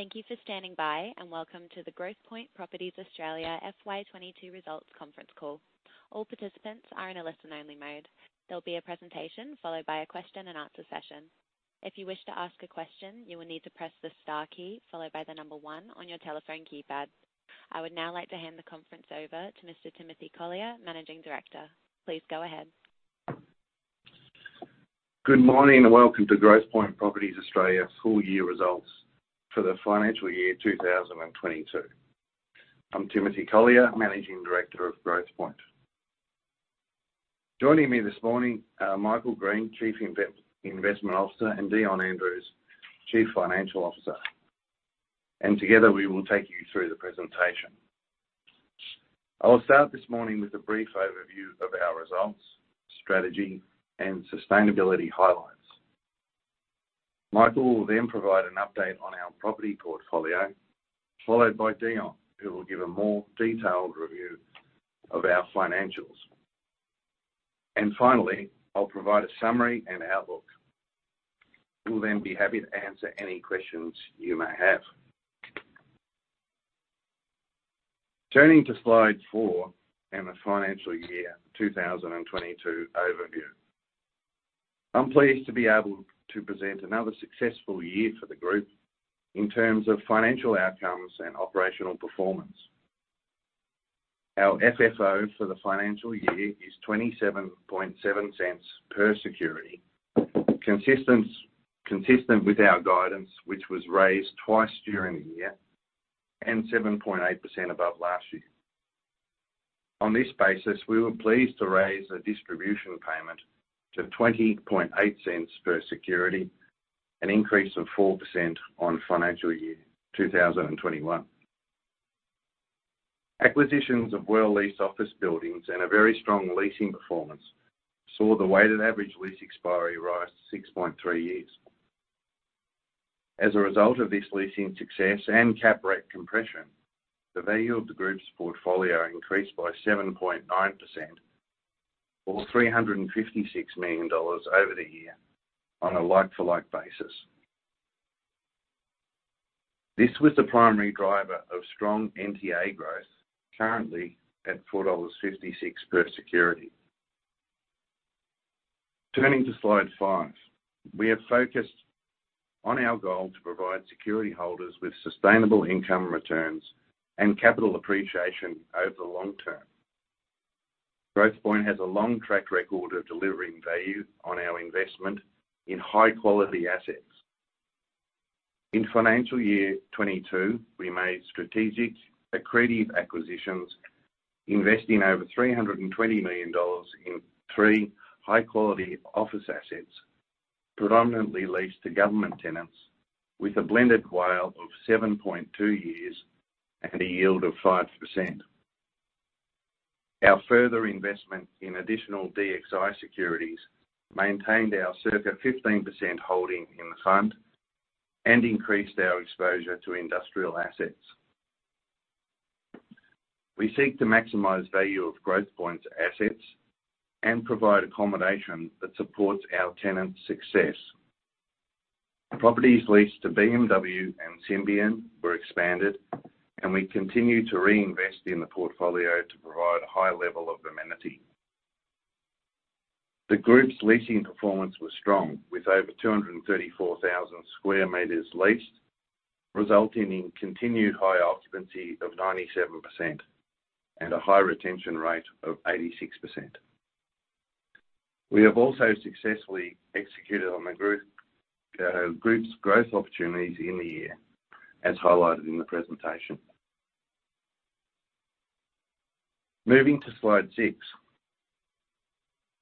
Thank you for standing by, and welcome to the Growthpoint Properties Australia FY 2022 results conference call. All participants are in a listen-only mode. There'll be a presentation followed by a question and answer session. If you wish to ask a question, you will need to press the star key followed by the number one on your telephone keypad. I would now like to hand the conference over to Mr. Timothy Collyer, Managing Director. Please go ahead. Good morning, and welcome to Growthpoint Properties Australia full year results for the financial year 2022. I'm Timothy Collyer, Managing Director of Growthpoint. Joining me this morning are Michael Green, Chief Investment Officer, and Dion Andrews, Chief Financial Officer, and together, we will take you through the presentation. I'll start this morning with a brief overview of our results, strategy, and sustainability highlights. Michael will then provide an update on our property portfolio, followed by Dion, who will give a more detailed review of our financials. Finally, I'll provide a summary and outlook. We'll then be happy to answer any questions you may have. Turning to slide four and the financial year 2022 overview. I'm pleased to be able to present another successful year for the group in terms of financial outcomes and operational performance. Our FFO for the financial year is 0.277 per security. Consistent with our guidance, which was raised twice during the year and 7.8% above last year. On this basis, we were pleased to raise a distribution payment to 0.208 per security, an increase of 4% on financial year 2021. Acquisitions of well-leased office buildings and a very strong leasing performance saw the weighted average lease expiry rise to 6.3 years. As a result of this leasing success and cap rate compression, the value of the group's portfolio increased by 7.9% or 356 million dollars over the year on a like-for-like basis. This was the primary driver of strong NTA growth, currently at 4.56 dollars per security. Turning to slide five. We have focused on our goal to provide security holders with sustainable income returns and capital appreciation over the long term. Growthpoint has a long track record of delivering value on our investment in high-quality assets. In financial year 2022, we made strategic, accretive acquisitions, investing over 320 million dollars in three high-quality office assets, predominantly leased to government tenants with a blended WALE of 7.2 years and a yield of 5%. Our further investment in additional DXI securities maintained our circa 15% holding in the fund and increased our exposure to industrial assets. We seek to maximize value of Growthpoint's assets and provide accommodation that supports our tenants' success. Properties leased to BMW and Symbion were expanded, and we continue to reinvest in the portfolio to provide a high level of amenity. The group's leasing performance was strong, with over 234,000 sq me leased, resulting in continued high occupancy of 97% and a high retention rate of 86%. We have also successfully executed on the group's growth opportunities in the year, as highlighted in the presentation. Moving to slide six.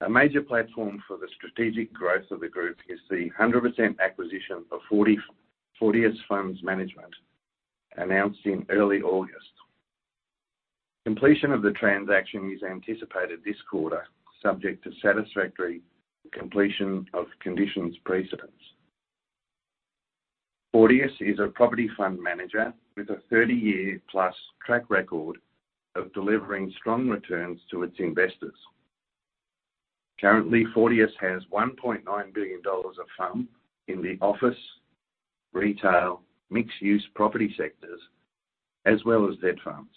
A major platform for the strategic growth of the group is the 100% acquisition of Fortius Funds Management, announced in early August. Completion of the transaction is anticipated this quarter, subject to satisfactory completion of conditions precedent. Fortius is a property fund manager with a 30-year-plus track record of delivering strong returns to its investors. Currently, Fortius has 1.9 billion dollars of funds in the office, retail, mixed-use property sectors, as well as seed funds.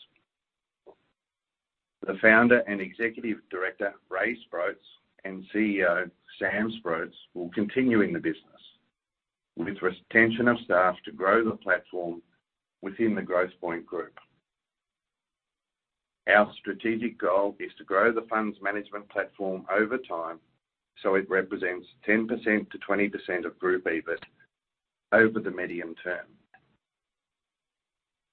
The founder and executive director, Ray Sproat, and CEO, Sam Sproat, will continue in the business with retention of staff to grow the platform within the Growthpoint Group. Our strategic goal is to grow the Funds Management platform over time, so it represents 10%-20% of group EBIT over the medium term.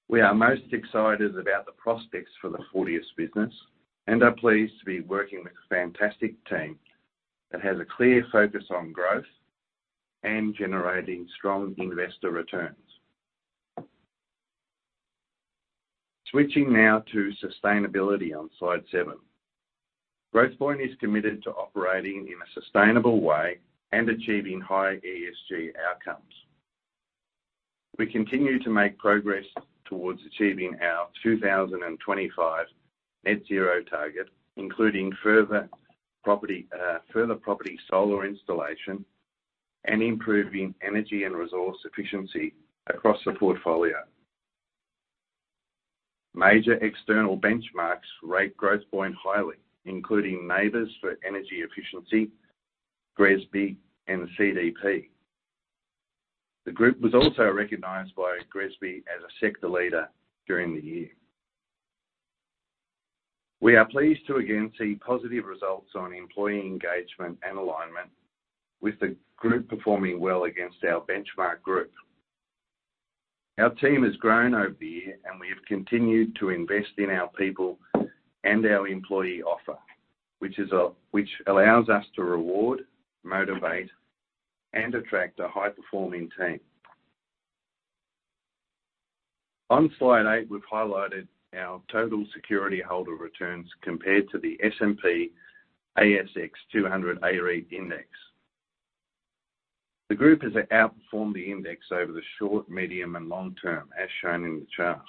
We are most excited about the prospects for the Fortius business and are pleased to be working with a fantastic team that has a clear focus on growth and generating strong investor returns. Switching now to sustainability on slide seven. Growthpoint is committed to operating in a sustainable way and achieving high ESG outcomes. We continue to make progress towards achieving our 2025 net zero target, including further property solar installation, and improving energy and resource efficiency across the portfolio. Major external benchmarks rate Growthpoint highly, including NABERS for energy efficiency, GRESB and CDP. The group was also recognized by GRESB as a sector leader during the year. We are pleased to again see positive results on employee engagement and alignment with the group performing well against our benchmark group. Our team has grown over the year, and we have continued to invest in our people and our employee offer, which allows us to reward, motivate, and attract a high-performing team. On slide eight, we've highlighted our total security holder returns compared to the S&P/ASX 200 A-REIT index. The group has outperformed the index over the short, medium, and long term as shown in the chart.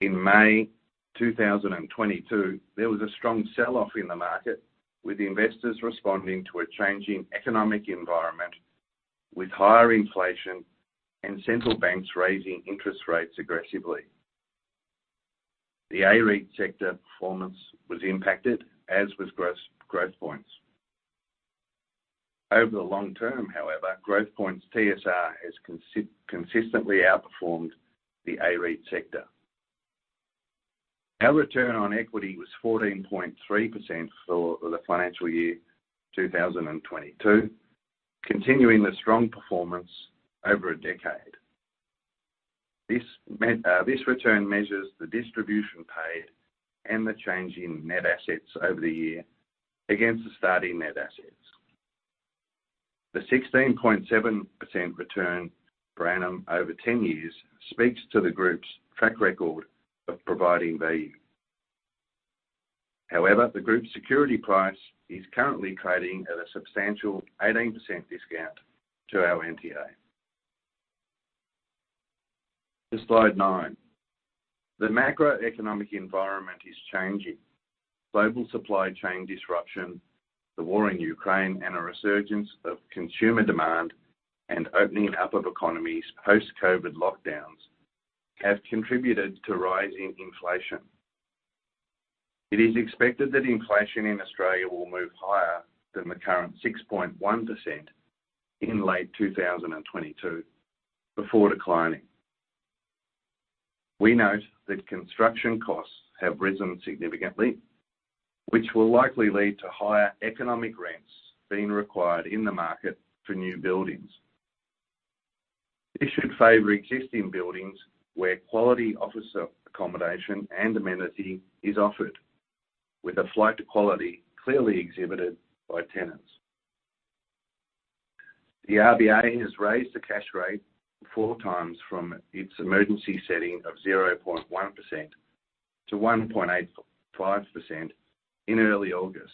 In May 2022, there was a strong sell-off in the market, with investors responding to a changing economic environment with higher inflation and central banks raising interest rates aggressively. The A-REIT sector performance was impacted as was Growthpoint's. Over the long term, however, Growthpoint's TSR has consistently outperformed the A-REIT sector. Our return on equity was 14.3% for the financial year 2022, continuing the strong performance over a decade. This return measures the distribution paid and the change in net assets over the year against the starting net assets. The 16.7% return per annum over 10 years speaks to the group's track record of providing value. However, the group's security price is currently trading at a substantial 18% discount to our NTA. To slide nine. The macroeconomic environment is changing. Global supply chain disruption, the war in Ukraine, and a resurgence of consumer demand and opening up of economies post-COVID lockdowns have contributed to rising inflation. It is expected that inflation in Australia will move higher than the current 6.1% in late 2022 before declining. We note that construction costs have risen significantly, which will likely lead to higher economic rents being required in the market for new buildings. This should favor existing buildings where quality office accommodation and amenity is offered, with a flight to quality clearly exhibited by tenants. The RBA has raised the cash rate four times from its emergency setting of 0.1% to 1.85% in early August,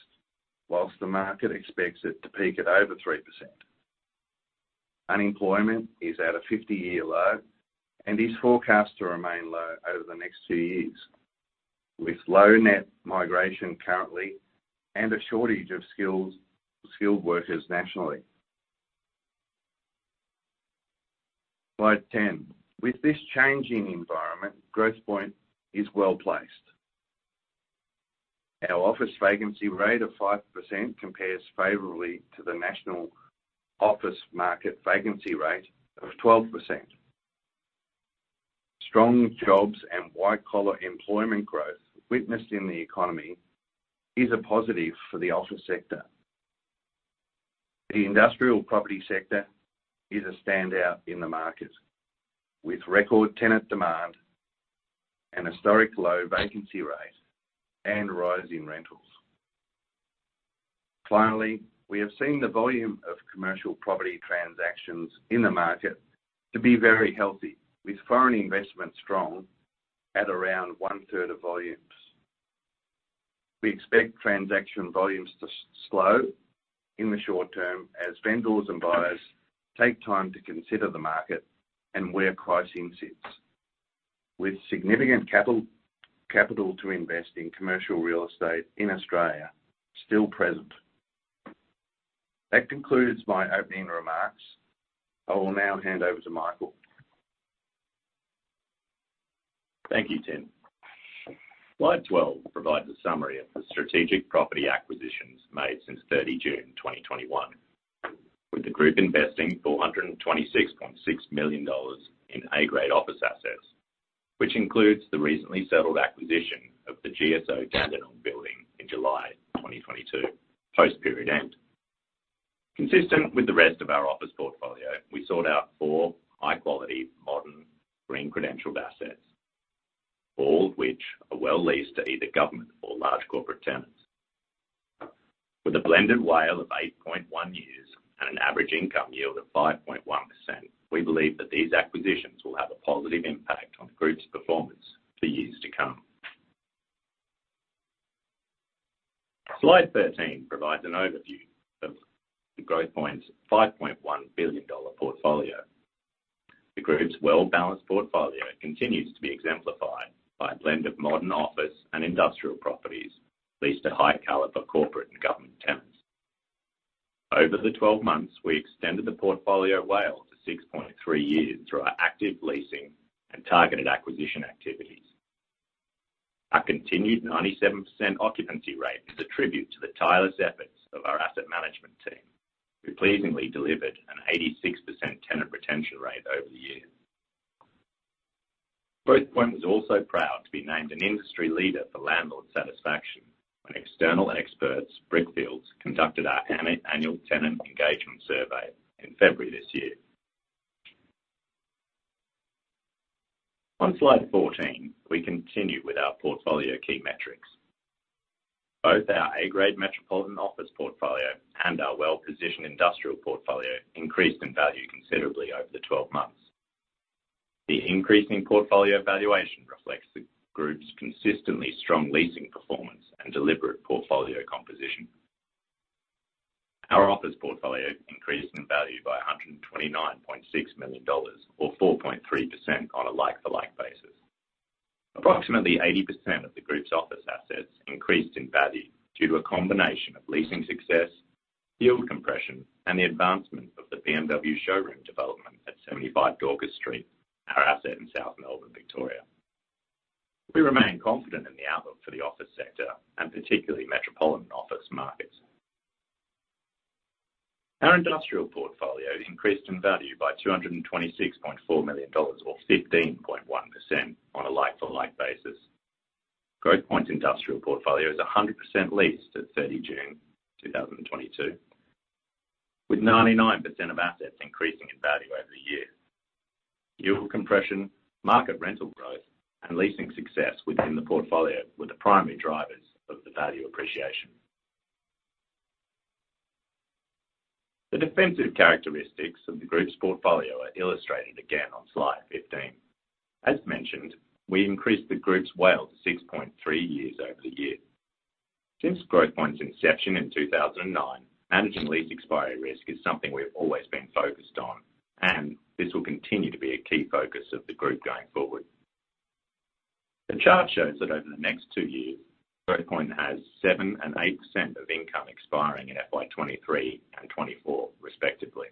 while the market expects it to peak at over 3%. Unemployment is at a 50-year low and is forecast to remain low over the next two years, with low net migration currently and a shortage of skilled workers nationally. Slide 10. With this changing environment, Growthpoint is well-placed. Our office vacancy rate of 5% compares favorably to the national office market vacancy rate of 12%. Strong jobs and white-collar employment growth witnessed in the economy is a positive for the Office sector. Theindustrial property sector is a standout in the market, with record tenant demand, an historic low vacancy rate, and rise in rentals. Finally, we have seen the volume of commercial property transactions in the market to be very healthy, with foreign investment strong at around 1/3 of volumes. We expect transaction volumes to slow in the short term as vendors and buyers take time to consider the market and where pricing sits, with significant capital to invest in commercial real estate in Australia still present. That concludes my opening remarks. I will now hand over to Michael. Thank you, Tim. Slide 12 provides a summary of the strategic property acquisitions made since 30 June, 2021, with the group investing 426.6 million dollars in A-grade office assets, which includes the recently settled acquisition of the GSO Dandenong building in July 2022, post period end. Consistent with the rest of our Office portfolio, we sought out four high-quality, modern green credentialed assets, all of which are well leased to either government or large corporate tenants. With a blended WALE of 8.1 years and an average income yield of 5.1%, we believe that these acquisitions will have a positive impact on the group's performance for years to come. Slide 13 provides an overview of Growthpoint's 5.1 billion dollar portfolio. The group's well-balanced portfolio continues to be exemplified by a blend of modern office and industrial properties leased to high caliber corporate and government tenants. Over the 12 months, we extended the portfolio WALE to 6.3 years through our active leasing and targeted acquisition activities. Our continued 97% occupancy rate is a tribute to the tireless efforts of our asset management team, who pleasingly delivered an 86% tenant retention rate over the year. Growthpoint was also proud to be named an industry leader for landlord satisfaction when external experts, Brickfields, conducted our annual tenant engagement survey in February this year. On slide 14, we continue with our portfolio key metrics. Both our A-grade metropolitan Office portfolio and our well-positioned Industrial portfolio increased in value considerably over the 12 months. The increase in portfolio valuation reflects the group's consistently strong leasing performance and deliberate portfolio composition. Our Office portfolio increased in value by 129.6 million dollars, or 4.3% on a like-for-like basis. Approximately 80% of the group's office assets increased in value due to a combination of leasing success, yield compression, and the advancement of the BMW showroom development at 75 Dorcas Street, our asset in South Melbourne, Victoria. We remain confident in the outlook for the Office sector, and particularly metropolitan office markets. Our Industrial portfolio increased in value by 226.4 million dollars or 15.1% on a like-for-like basis. Growthpoint's Industrial portfolio is 100% leased at 30 June, 2022, with 99% of assets increasing in value over the year. Yield compression, market rental growth, and leasing success within the portfolio were the primary drivers of the value appreciation. The defensive characteristics of the group's portfolio are illustrated again on slide 15. As mentioned, we increased the group's WALE to 6.3 years over the year. Since Growthpoint's inception in 2009, managing lease expiry risk is something we've always been focused on, and this will continue to be a key focus of the group going forward. The chart shows that over the next two years, Growthpoint has 7% and 8% of income expiring in FY 2023 and 2024 respectively.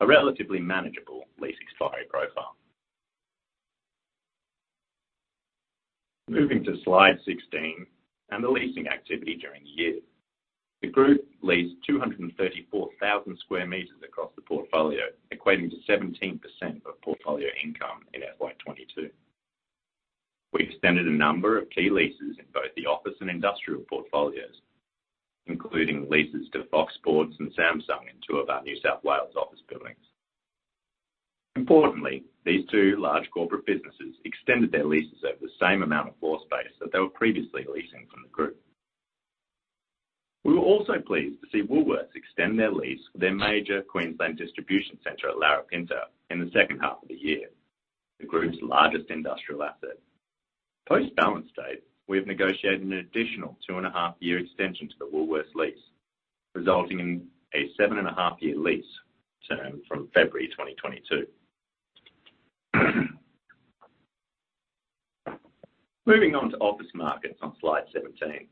A relatively manageable lease expiry profile. Moving to slide 16 and the leasing activity during the year. The group leased 234,000 sq m across the portfolio, equating to 17% of portfolio income in FY 2022. We extended a number of key leases in both the office and Industrial portfolios, including leases to Fox Sports and Samsung in two of our New South Wales office buildings. Importantly, these two large corporate businesses extended their leases over the same amount of floor space that they were previously leasing from the group. We were also pleased to see Woolworths extend their lease for their major Queensland distribution center at Larapinta in the second half of the year, the group's largest industrial asset. Post-balance date, we have negotiated an additional 2.5-year extension to the Woolworths lease, resulting in a 7.5-year lease term from February 2022. Moving on to office markets on slide 17.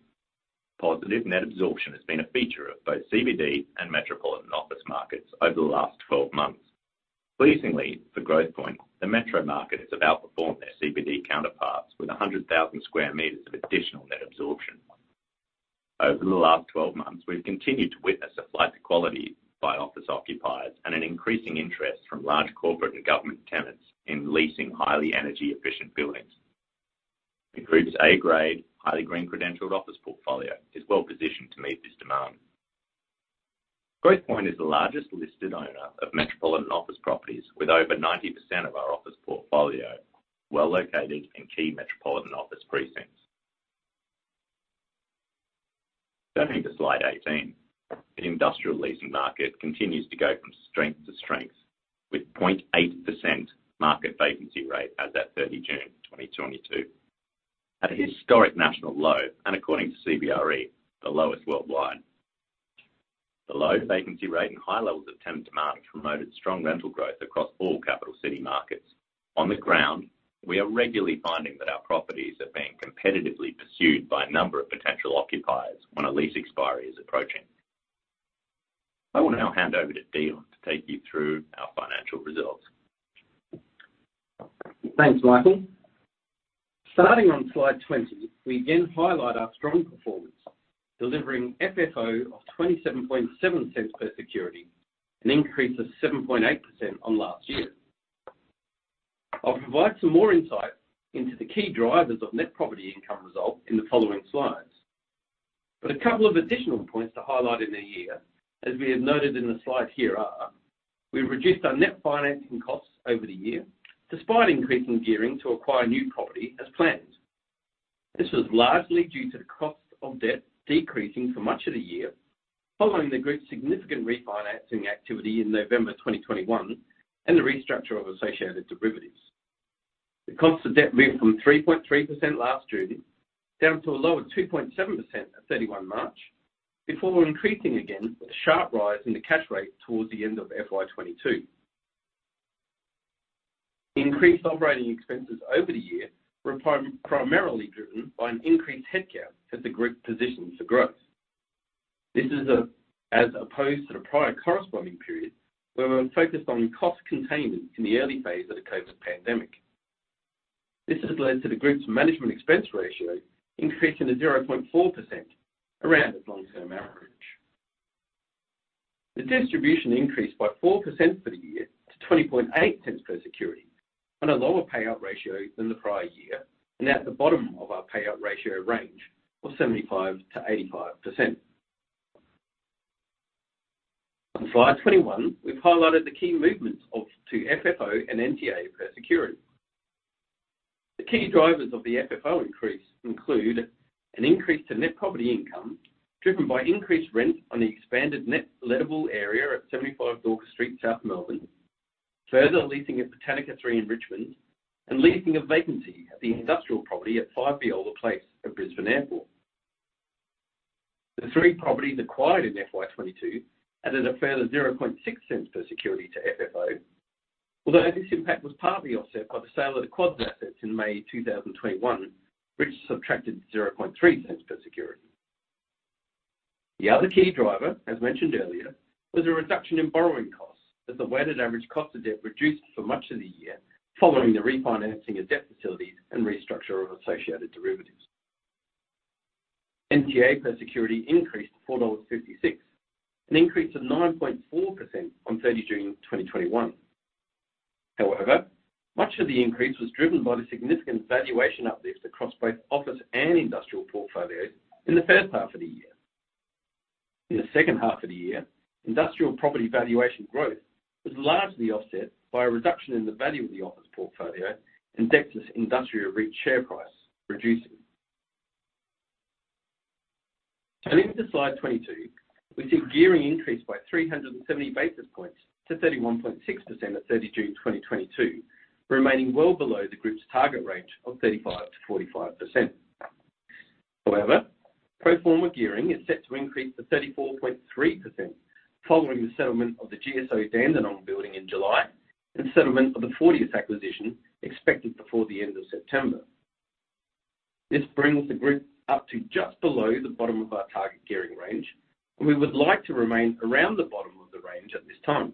Positive net absorption has been a feature of both CBD and metropolitan office markets over the last 12 months. Pleasingly, for Growthpoint, the metro market has outperformed their CBD counterparts with 100,000 square meters of additional net absorption. Over the last 12 months, we've continued to witness a flight to quality by office occupiers and an increasing interest from large corporate and government tenants in leasing highly energy efficient buildings. The group's A-grade, highly green credentialed Office portfolio is well-positioned to meet this demand. Growthpoint is the largest listed owner of metropolitan office properties with over 90% of our Office portfolio well-located in key metropolitan office precincts. Turning to slide 18. The industrial leasing market continues to go from strength to strength with 0.8% market vacancy rate as at 30 June, 2022. At a historic national low, and according to CBRE, the lowest worldwide. The low vacancy rate and high levels of tenant demand promoted strong rental growth across all capital city markets. On the ground, we are regularly finding that our properties are being competitively pursued by a number of potential occupiers when a lease expiry is approaching. I will now hand over to Dion to take you through our financial results. Thanks, Michael. Starting on slide 20, we again highlight our strong performance, delivering FFO of 0.277 per security, an increase of 7.8% on last year. I'll provide some more insight into the key drivers of net property income result in the following slides. A couple of additional points to highlight in the year, as we have noted in the slide here are. We reduced our net financing costs over the year, despite increasing gearing to acquire new property as planned. This was largely due to the cost of debt decreasing for much of the year, following the group's significant refinancing activity in November 2021 and the restructure of associated derivatives. The cost of debt moved from 3.3% last June, down to a lower 2.7% at 31 March, before increasing again with a sharp rise in the cash rate towards the end of FY 2022. Increased operating expenses over the year were primarily driven by an increased headcount as the group positions for growth. This is, as opposed to the prior corresponding period, where we were focused on cost containment in the early phase of the COVID pandemic. This has led to the group's management expense ratio increasing to 0.4% around its long-term average. The distribution increased by 4% for the year to 0.208 per security on a lower payout ratio than the prior year, and at the bottom of our payout ratio range of 75%-85%. On slide 21, we've highlighted the key movements to FFO and NTA per security. The key drivers of the FFO increase include an increase to net property income, driven by increased rent on the expanded net lettable area at 75 Dorcas Street, South Melbourne, further leasing at Botanica 3 in Richmond, and leasing a vacancy at the industrial property at 5 Viola Place at Brisbane Airport. The three properties acquired in FY 2022 added a further 0.006 per security to FFO, although this impact was partly offset by the sale of the Quad assets in May 2021, which subtracted 0.003 per security. The other key driver, as mentioned earlier, was a reduction in borrowing costs as the weighted average cost of debt reduced for much of the year following the refinancing of debt facilities and restructure of associated derivatives. NTA per security increased to 4.56 dollars, an increase of 9.4% on 30 June, 2021. However, much of the increase was driven by the significant valuation uplift across both office and Industrial portfolios in the first half of the year. In the second half of the year, industrial property valuation growth was largely offset by a reduction in the value of the Office portfolio and Dexus Industria REIT share price reducing. Turning to slide 22, we see gearing increased by 370 basis points to 31.6% at 30 June 2022, remaining well below the group's target range of 35%-45%. However, pro forma gearing is set to increase to 34.3% following the settlement of the GSO Dandenong building in July and settlement of the Fortius acquisition expected before the end of September. This brings the group up to just below the bottom of our target gearing range, and we would like to remain around the bottom of the range at this time.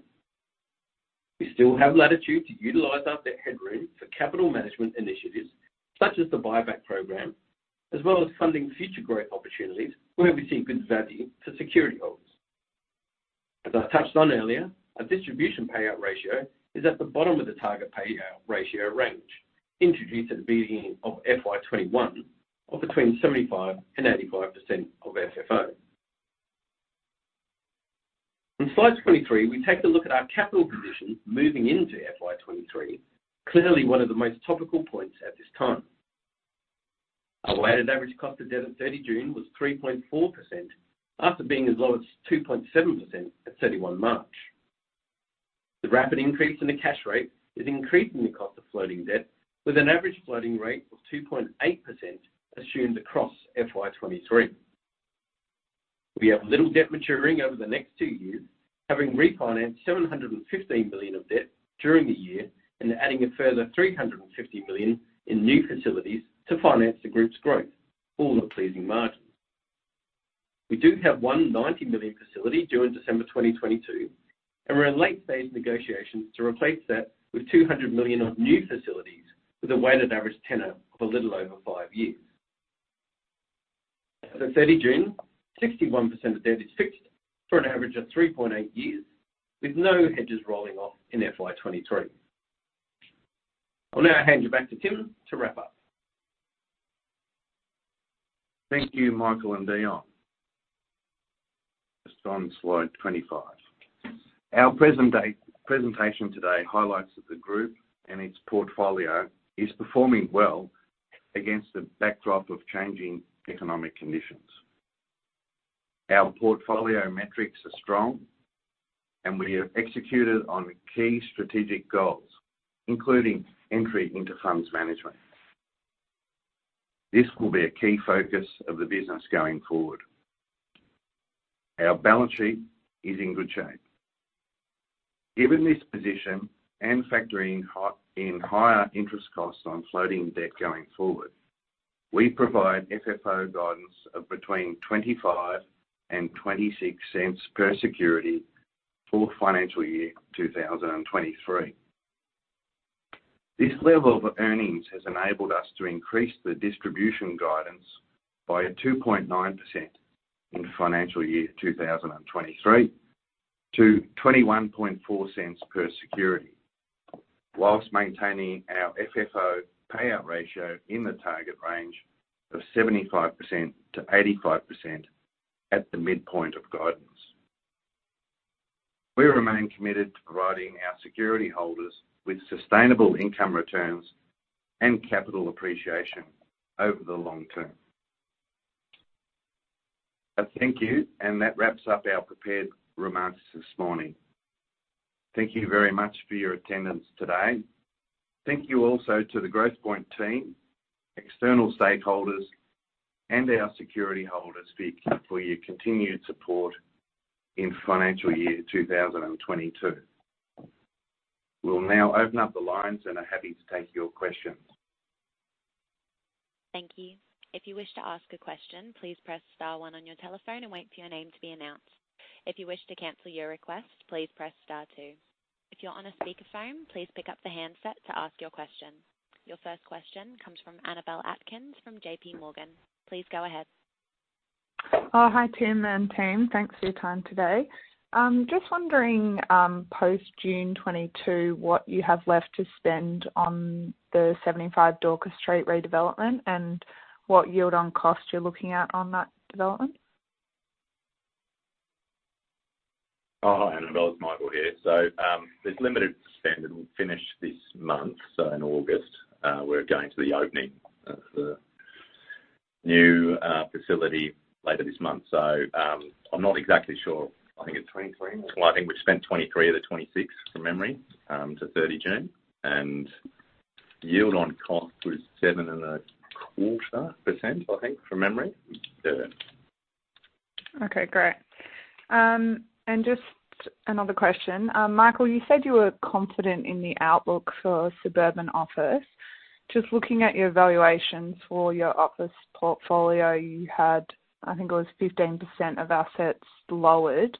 We still have latitude to utilize our debt headroom for capital management initiatives such as the buyback program, as well as funding future growth opportunities where we see good value for security holders. As I touched on earlier, our distribution payout ratio is at the bottom of the target payout ratio range, introduced at the beginning of FY 2021, of between 75% and 85% of FFO. On slide 23, we take a look at our capital position moving into FY 2023, clearly one of the most topical points at this time. Our weighted average cost of debt at 30 June was 3.4% after being as low as 2.7% at 31 March. The rapid increase in the cash rate is increasing the cost of floating debt with an average floating rate of 2.8% assumed across FY 2023. We have little debt maturing over the next two years, having refinanced 715 million of debt during the year and adding a further 350 million in new facilities to finance the group's growth, all at pleasing margins. We do have 190 million facility due in December 2022, and we're in late stage negotiations to replace that with 200 million of new facilities with a weighted average tenor of a little over five years. As at 30 June, 61% of debt is fixed for an average of 3.8 years, with no hedges rolling off in FY 2023. I'll now hand you back to Tim to wrap up. Thank you, Michael and Dion. Let's go on to slide 25. Our presentation today highlights that the group and its portfolio is performing well against the backdrop of changing economic conditions. Our portfolio metrics are strong, and we have executed on key strategic goals, including entry into Funds Management. This will be a key focus of the business going forward. Our balance sheet is in good shape. Given this position and factoring in higher interest costs on floating debt going forward, we provide FFO guidance of between 0.25 and 0.26 per security for financial year 2023. This level of earnings has enabled us to increase the distribution guidance by 2.9% in financial year 2023 to 0.214 per security, while maintaining our FFO payout ratio in the target range of 75%-85% at the midpoint of guidance. We remain committed to providing our security holders with sustainable income returns and capital appreciation over the long term. Thank you. That wraps up our prepared remarks this morning. Thank you very much for your attendance today. Thank you also to the Growthpoint team, external stakeholders, and our security holders for your continued support in financial year 2022. We'll now open up the lines and are happy to take your questions. Thank you. If you wish to ask a question, please press star one on your telephone and wait for your name to be announced. If you wish to cancel your request, please press star two. If you're on a speakerphone, please pick up the handset to ask your question. Your first question comes from Annabelle Atkins from JPMorgan. Please go ahead. Oh, hi, Tim and team. Thanks for your time today. Just wondering, post-June 2022, what you have left to spend on the 75 Dorcas Street redevelopment and what yield on cost you're looking at on that development. Oh, hi, Annabel. It's Michael here. There's limited spend, and we've finished this month, so in August, we're going to the opening of the new facility later this month. I'm not exactly sure. I think it's 23. Well, I think we've spent 23-26 from memory to 30 June, and yield on cost was 7.25%, I think, from memory. Yeah. Okay, great. Just another question. Michael, you said you were confident in the outlook for suburban office. Just looking at your valuations for your Office portfolio, you had, I think it was 15% of assets lowered.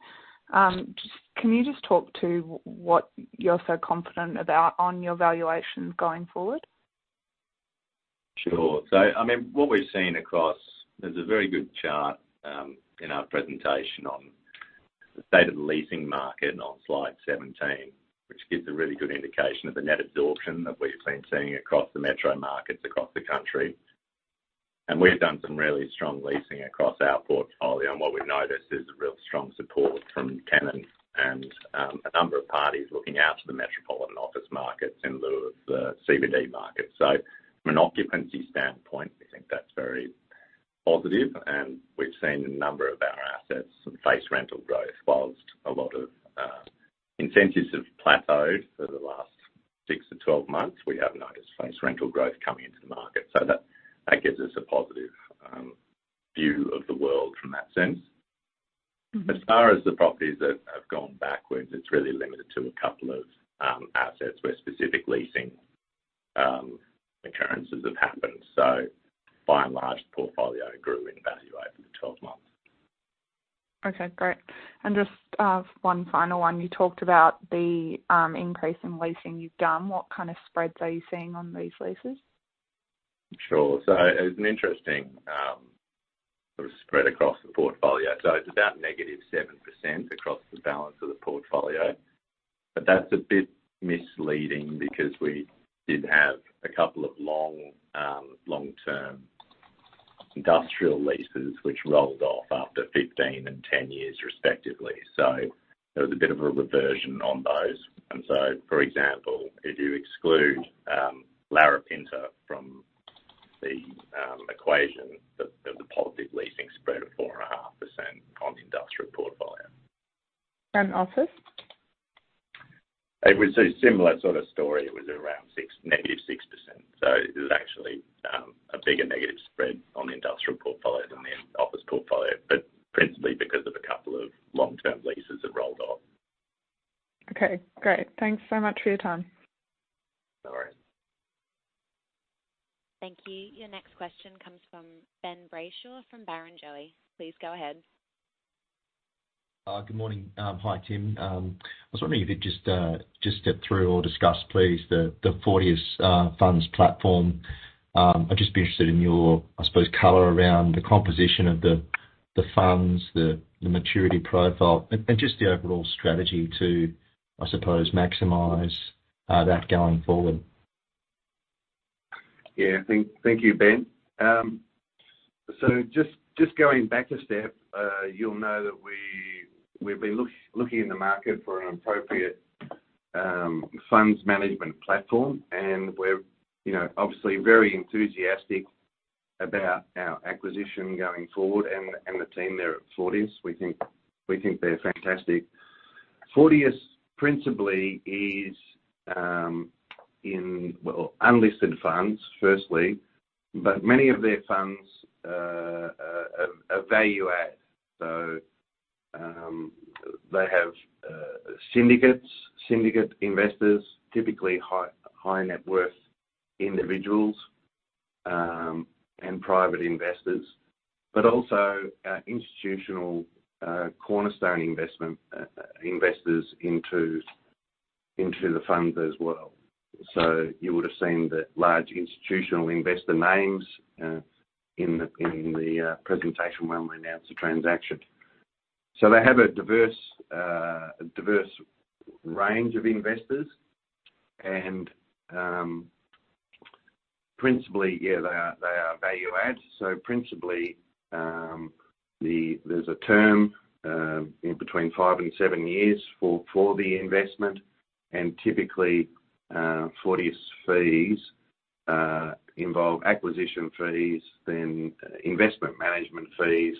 Just, can you just talk to what you're so confident about on your valuations going forward? Sure. I mean, what we've seen across. There's a very good chart in our presentation on the state of the leasing market on slide 17, which gives a really good indication of the net absorption that we've been seeing across the metro markets across the country. We've done some really strong leasing across our portfolio, and what we've noticed is a real strong support from tenants and a number of parties looking out to the metropolitan office markets in lieu of the CBD market. From an occupancy standpoint, we think that's very positive. We've seen a number of our assets face rental growth. Whilst a lot of incentives have plateaued over the last 6-12 months, we have noticed face rental growth coming into the market. That gives us a positive view of the world from that sense. As far as the properties that have gone backwards, it's really limited to a couple of, assets where specific leasing, occurrences have happened. By and large, the portfolio grew in value over the 12 months. Okay, great. Just, one final one. You talked about the increase in leasing you've done. What kind of spreads are you seeing on these leases? Sure. It's an interesting spread across the portfolio. It's about -7% across the balance of the portfolio. That's a bit misleading because we did have a couple of long-term industrial leases which rolled off after 15 and 10 years respectively. There was a bit of a reversion on those. For example, if you exclude Larapinta from the equation, there's a positive leasing spread of 4.5% on the Industrial portfolio. Office? It was a similar sort of story. It was around 6%, -6%. It was actually a bigger negative spread on the Industrial portfolio than the Office portfolio, but principally because of a couple of long-term leases that rolled off. Okay, great. Thanks so much for your time. No worries. Thank you. Your next question comes from Ben Brayshaw from Barrenjoey. Please go ahead. Good morning. Hi, Tim. I was wondering if you'd just step through or discuss, please, the Fortius funds platform. I'd just be interested in your, I suppose, color around the composition of the funds, the maturity profile and just the overall strategy to, I suppose, maximize that going forward. Yeah. Thank you, Ben. Just going back a step, you'll know that we've been looking in the market for an appropriate Funds Management platform, and we're, you know, obviously very enthusiastic about our acquisition going forward and the team there at Fortius. We think they're fantastic. Fortius principally is in well unlisted funds, firstly, but many of their funds are value add. They have syndicate investors, typically high-net-worth individuals and private investors, but also institutional cornerstone investment investors into the funds as well. You would have seen the large institutional investor names in the presentation when we announced the transaction. They have a diverse range of investors and principally, yeah, they are value add. Principally, there's a term in between five and seven years for the investment and typically, Fortius fees. Involve acquisition fees, then investment management fees,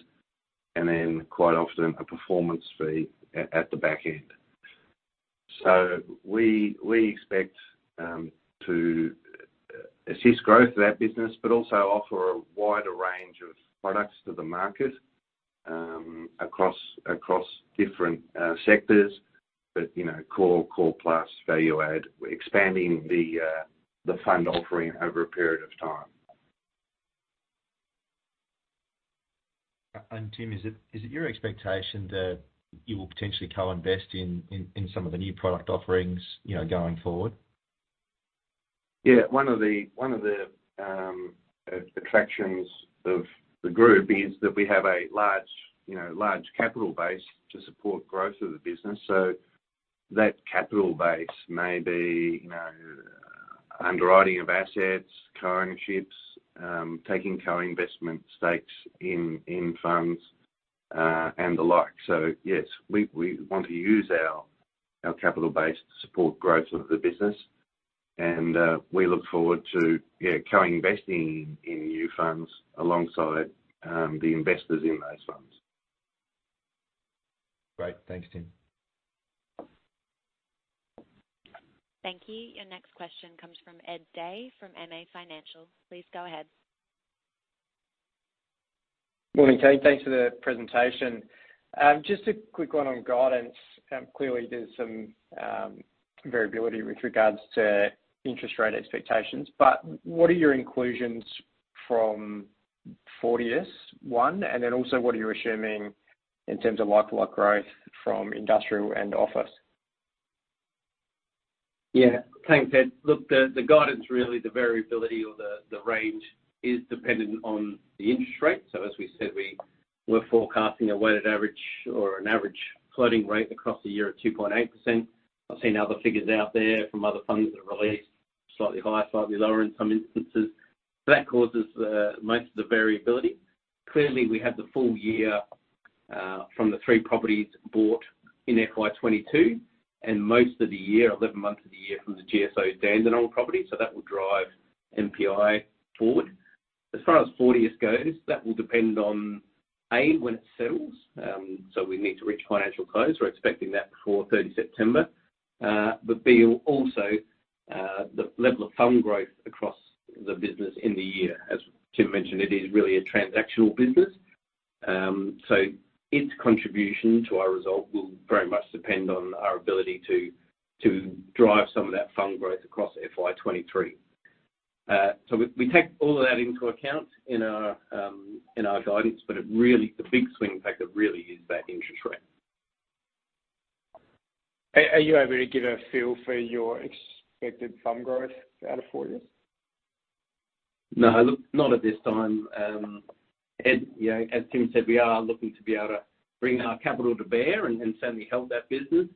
and then quite often a performance fee at the back end. We expect to assist growth of that business, but also offer a wider range of products to the market, across different sectors. You know, core plus value add, we're expanding the fund offering over a period of time. Tim, is it your expectation that you will potentially co-invest in some of the new product offerings, you know, going forward? Yeah. One of the attractions of the group is that we have a large, you know, capital base to support growth of the business. That capital base may be, you know, underwriting of assets, co-ownships, taking co-investment stakes in funds, and the like. Yes, we want to use our capital base to support growth of the business. We look forward to, yeah, co-investing in new funds alongside the investors in those funds. Great. Thanks, Tim. Thank you. Your next question comes from Ed Day from MA Financial. Please go ahead. Morning, Tim. Thanks for the presentation. Just a quick one on guidance. Clearly there's some variability with regards to interest rate expectations, but what are your inclusions from Fortius, one, and then also what are you assuming in terms of like-for-like growth from industrial and office? Yeah. Thanks, Ed. Look, the guidance really, the variability or the range is dependent on the interest rate. As we said, we're forecasting a weighted average or an average floating rate across the year of 2.8%. I've seen other figures out there from other funds that are released slightly higher, slightly lower in some instances. That causes most of the variability. Clearly, we have the full year from the three properties bought in FY 2022, and most of the year, 11 months of the year from the GSO Dandenong property, so that will drive NPI forward. As far as Fortius goes, that will depend on, A, when it sells, so we need to reach financial close. We're expecting that before 30 September. But B, also, the level of fund growth across the business in the year. As Tim mentioned, it is really a transactional business. Its contribution to our result will very much depend on our ability to drive some of that fund growth across FY 2023. We take all of that into account in our guidance, but it really, the big swing factor really is that interest rate. Are you able to give a feel for your expected fund growth out of Fortius? No. Look, not at this time. Ed, you know, as Tim said, we are looking to be able to bring our capital to bear and certainly help that business.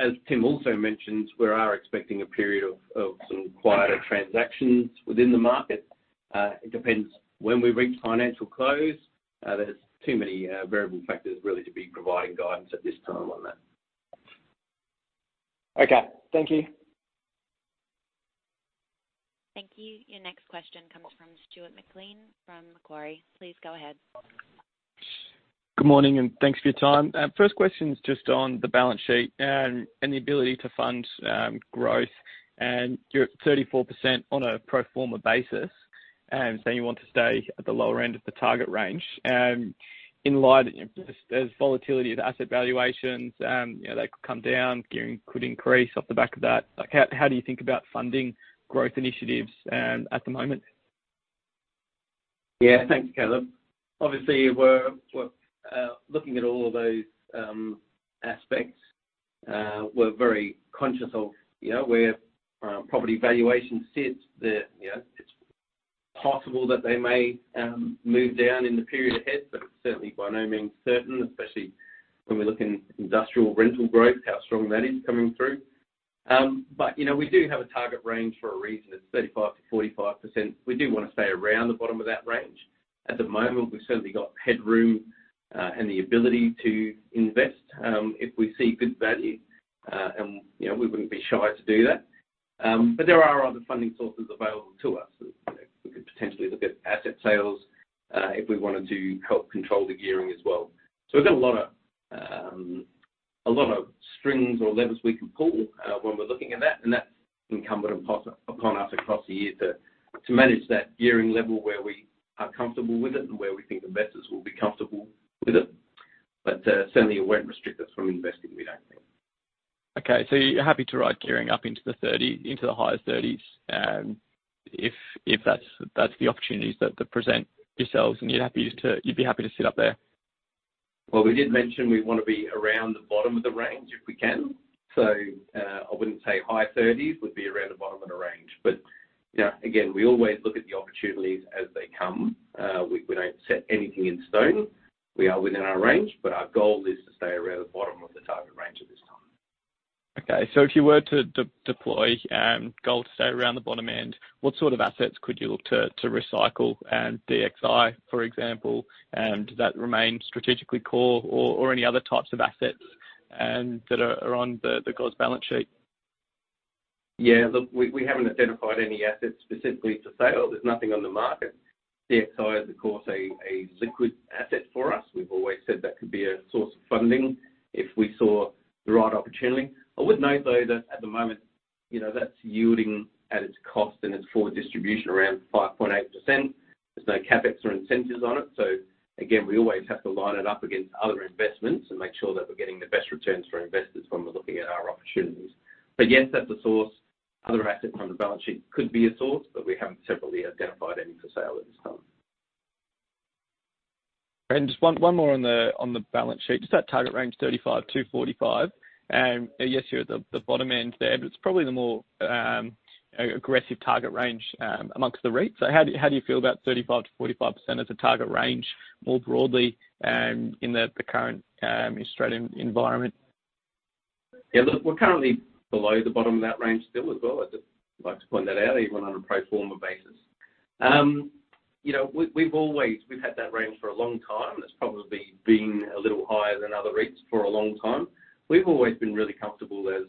As Tim also mentioned, we are expecting a period of some quieter transactions within the market. It depends when we reach financial close. There's too many variable factors really to be providing guidance at this time on that. Okay. Thank you. Thank you. Your next question comes from Stuart McLean from Macquarie. Please go ahead. Good morning, and thanks for your time. First question is just on the balance sheet and the ability to fund growth. You're at 34% on a pro forma basis, and saying you want to stay at the lower end of the target range. In light of just the volatility of asset valuations, you know, they could come down, gearing could increase off the back of that. Like, how do you think about funding growth initiatives at the moment? Yeah. Thanks, Stuart. Obviously, we're looking at all of those aspects. We're very conscious of, you know, where property valuation sits. You know, it's possible that they may move down in the period ahead, but certainly by no means certain, especially when we look at industrial rental growth, how strong that is coming through. You know, we do have a target range for a reason. It's 35%-45%. We do wanna stay around the bottom of that range. At the moment, we've certainly got headroom and the ability to invest if we see good value, and, you know, we wouldn't be shy to do that. There are other funding sources available to us. You know, we could potentially look at asset sales if we wanted to help control the gearing as well. We've got a lot of strings or levers we can pull when we're looking at that, and that's incumbent upon us across the year to manage that gearing level where we are comfortable with it and where we think investors will be comfortable with it. Certainly it won't restrict us from investing, we don't think. Okay. You're happy to ride gearing up into the 30, into the higher 30s, if that's the opportunities that present themselves, and you'd be happy to sit up there? Well, we did mention we wanna be around the bottom of the range if we can. I wouldn't say high thirties would be around the bottom of the range. You know, again, we always look at the opportunities as they come. We don't set anything in stone. We are within our range, but our goal is to stay around the bottom of the target range at this time. Okay. If you were to redeploy, goal to stay around the bottom end, what sort of assets could you look to recycle, Dexus Industria REIT, for example, does that remain strategically core or any other types of assets that are on the corporate balance sheet? Yeah. Look, we haven't identified any assets specifically for sale. There's nothing on the market. DXI is of course a liquid asset for us. We've always said that could be a source of funding if we saw the right opportunity. I would note, though, that at the moment, you know, that's yielding at its cost, and its forward distribution around 5.8%. There's no CapEx or incentives on it. Again, we always have to line it up against other investments and make sure that we're getting the best returns for our investors when we're looking at our opportunities. Yes, that's a source. Other assets on the balance sheet could be a source, but we haven't separately identified any for sale at this time. Just one more on the balance sheet. Just that target range, 35%-45%. Yes, you're at the bottom end there, but it's probably the more aggressive target range among the REITs. How do you feel about 35%-45% as a target range more broadly in the current Australian environment? Yeah, look, we're currently below the bottom of that range still as well. I'd just like to point that out, even on a pro forma basis. You know, we've always had that range for a long time. It's probably been a little higher than other rates for a long time. We've always been really comfortable as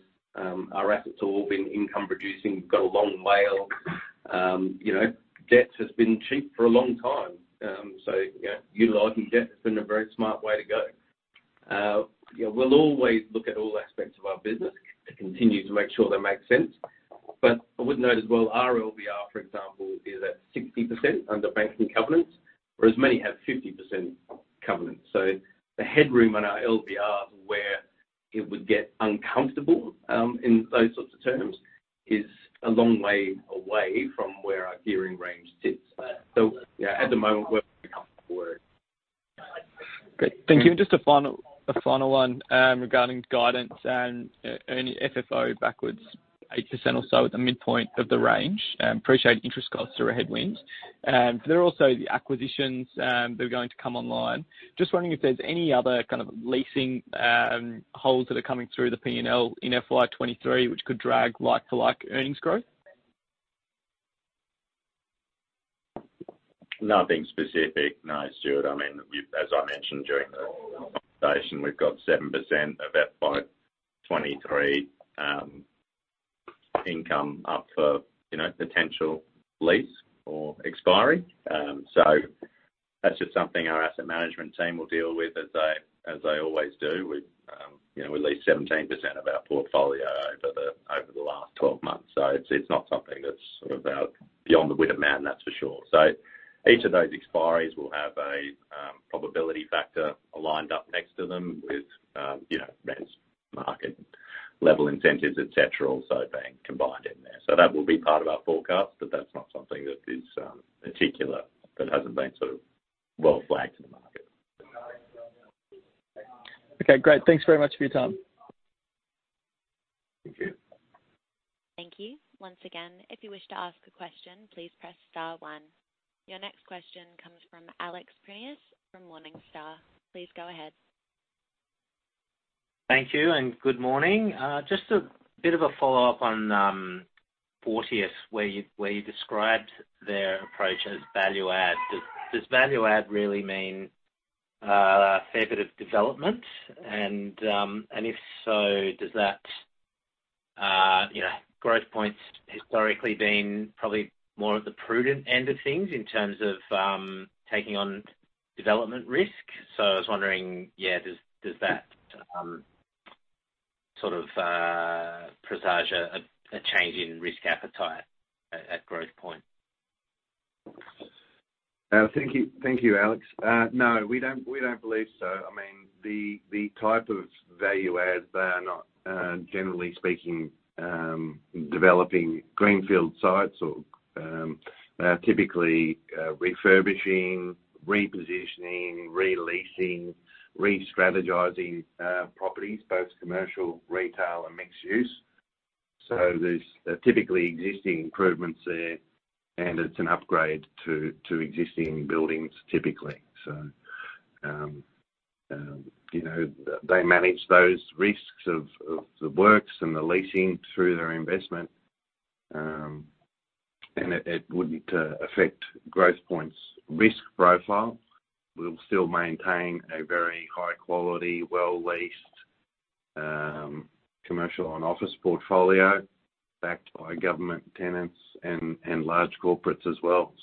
our assets have all been income producing. We've got a long WALE. You know, debt has been cheap for a long time. You know, utilizing debt has been a very smart way to go. You know, we'll always look at all aspects of our business and continue to make sure they make sense. I would note as well, our LVR, for example, is at 60% under banking covenants, whereas many have 50% covenants. The headroom on our LVR where it would get uncomfortable, in those sorts of terms, is a long way away from where our gearing range sits. Yeah, at the moment, we're comfortable where it is. Great. Thank you. Just a final one regarding guidance and underlying FFO back 8% or so at the midpoint of the range. I appreciate interest costs are a headwind. There are also the acquisitions that are going to come online. Just wondering if there's any other kind of leasing holes that are coming through the P&L in FY 2023, which could drag like-for-like earnings growth? Nothing specific. No, Stuart. I mean, we've as I mentioned during the presentation, we've got 7% of FY 2023 income up for, you know, potential lease or expiry. That's just something our asset management team will deal with as they always do. We've, you know, we leased 17% of our portfolio over the last 12 months. It's not something that's sort of out beyond the wit of man, that's for sure. Each of those expiries will have a probability factor lined up next to them with, you know, rents, market level incentives, et cetera, also being combined in there. That will be part of our forecast, but that's not something that is particular, that hasn't been sort of well flagged to the market. Okay, great. Thanks very much for your time. Thank you. Thank you. Once again, if you wish to ask a question, please press star one. Your next question comes from Alex Prineas from Morningstar. Please go ahead. Thank you and good morning. Just a bit of a follow-up on Fortius, where you described their approach as value add. Does value add really mean a fair bit of development? If so, you know, Growthpoint's historically been probably more of the prudent end of things in terms of taking on development risk. I was wondering, yeah, does that sort of presage a change in risk appetite at Growthpoint? Thank you. Thank you, Alex. No, we don't believe so. I mean, the type of value add, they are not generally speaking developing greenfield sites or they're typically refurbishing, repositioning, re-leasing, re-strategizing properties, both commercial, retail, and mixed use. There's typically existing improvements there, and it's an upgrade to existing buildings, typically. You know, they manage those risks of the works and the leasing through their investment. And it wouldn't affect Growthpoint's risk profile. We'll still maintain a very high quality, well-leased commercial and Office portfolio backed by government tenants and large corporates as well.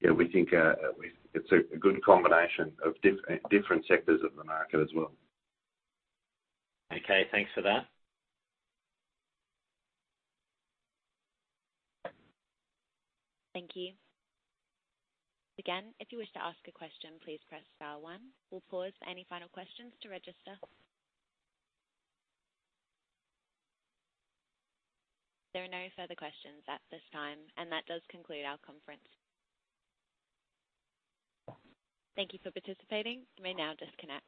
Yeah, we think it's a good combination of different sectors of the market as well. Okay, thanks for that. Thank you. Again, if you wish to ask a question, please press star one. We'll pause for any final questions to register. There are no further questions at this time, and that does conclude our conference. Thank you for participating. You may now disconnect.